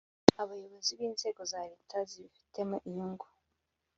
abayobozi b inzego za Leta zibifitemo inyungu